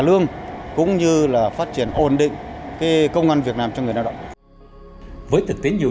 lương cũng như là phát triển ổn định cái công an việc làm cho người lao động với thực tế nhiều